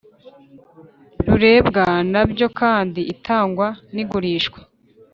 Rurebwa na byo kandi itangwa n igurishwa